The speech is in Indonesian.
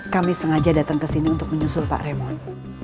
kami sengaja datang kesini untuk menyusul pak raymond